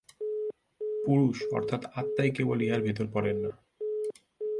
পুরুষ অর্থাৎ আত্মাই কেবল ইহার ভিতর পড়েন না।